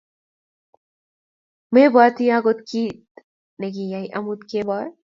Mepwoti agot kit ne kiyaak amut kemboi